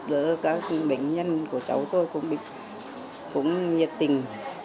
đỡ các bệnh nhân của cháu tôi cũng nhiệt tình